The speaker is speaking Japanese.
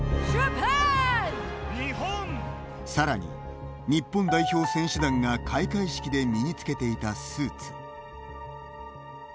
さらに、日本代表選手団が開会式で身につけていたスーツ。